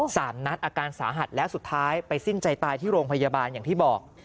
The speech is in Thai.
สามนัดอาการสาหัสแล้วสุดท้ายไปสิ้นใจตายที่โรงพยาบาลอย่างที่บอก